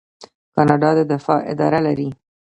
کاناډا د دفاع اداره لري.